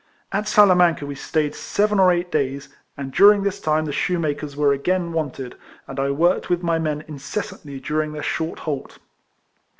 At Salamanca we stayed seven or eight days, and during this time the shoemakers were again wanted, and I worked with my men incessantly during their short halt.